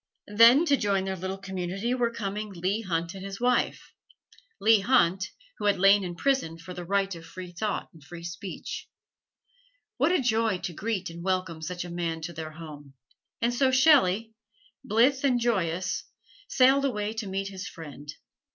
Then to join their little community were coming Leigh Hunt and his wife Leigh Hunt, who had lain in prison for the right of free thought and free speech. What a joy to greet and welcome such a man to their home! And so Shelley, blithe and joyous, sailed away to meet his friend.